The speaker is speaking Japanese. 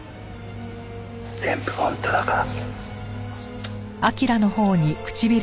全部本当だから。